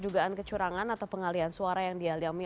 dugaan kecurangan atau pengalian suara yang dialami